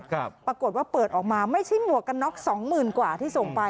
ปรากฏว่าเปิดออกมาไม่ใช่หมวกกันน็อกสองหมื่นกว่าที่ส่งไป